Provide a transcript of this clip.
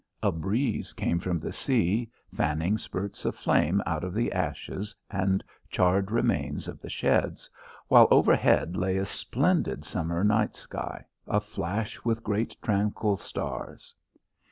A breeze came from the sea, fanning spurts of flame out of the ashes and charred remains of the sheds, while overhead lay a splendid summer night sky, aflash with great tranquil stars.